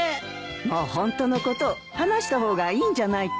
もうホントのこと話した方がいいんじゃないかい？